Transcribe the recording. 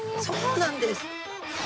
そうなんです。